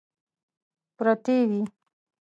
پرتې وې.